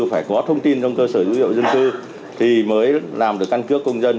phải có thông tin trong cơ sở dữ liệu dân cư thì mới làm được căn cước công dân